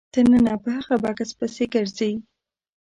تر ننه په هغه بکس پسې ګرځي.